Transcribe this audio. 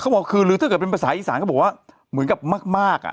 บอกคือหรือถ้าเกิดเป็นภาษาอีสานเขาบอกว่าเหมือนกับมากอ่ะ